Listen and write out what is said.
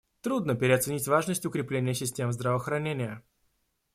Трудно переоценить важность укрепления систем здравоохранения.